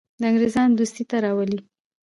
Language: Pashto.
د انګرېزانو دوستي ته راولي.